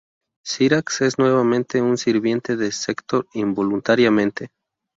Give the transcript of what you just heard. Cyrax es nuevamente un sirviente de Sektor involuntariamente.